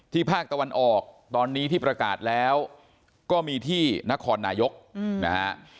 ที่ภาคตะวันออกประกาศแล้วก็มีที่ครนายกนะฮะ